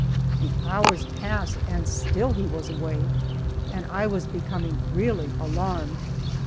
The hours passed and still he was away, and I was becoming really alarmed.